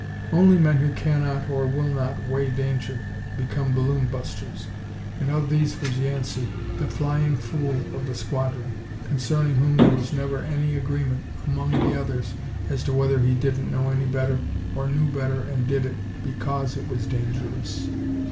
Only men who cannot, or will not weigh danger, become balloon busters. And of these was Yancey, the "flying fool" of the squadron, concerning whom there was never any agreement among the others as to whether he didn't know any better or knew better and did it because it was dangerous.